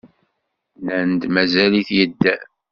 Nnan-d mazal-it yedder.